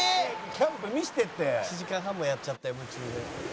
「キャンプ見せてって」「１時間半もやっちゃったよ夢中で」